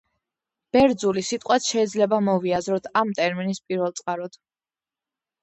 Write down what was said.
ბერძული სიტყვაც შეიძლება მოვიაზროთ ამ ტერმინის პირველწყაროდ.